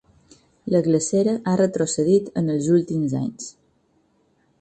La glacera ha retrocedit en els últims anys.